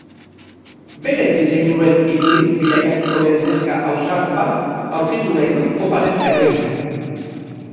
Bere diseinuen irudi bilakatuko den neska ausart bat aurkitu nahi du poparen erreginak.